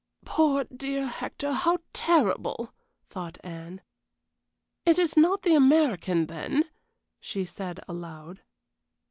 "Poor dear Hector, how terrible!" thought Anne. "It is not the American, then?" she said, aloud.